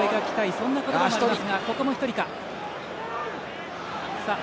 そんな言葉もあります。